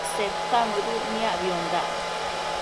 Seta mëduc niacbiondac